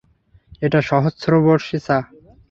এটা সহস্রবর্ষী চা!